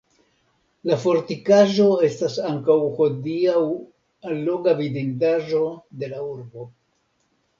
La fortikaĵo estas ankaŭ hodiaŭ alloga vidindaĵo de la urbo.